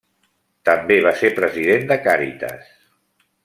També va ser president de Càritas.